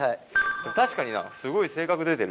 確かにすごい性格出てる。